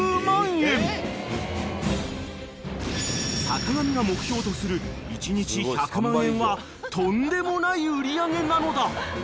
［坂上が目標とする１日１００万円はとんでもない売上なのだ］